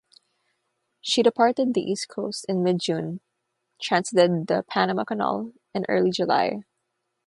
She departed the East Coast in mid-June; transited the Panama Canal in early July.